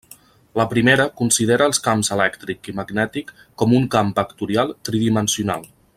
La primera considera els camps elèctric i magnètic com un camp vectorial tridimensional.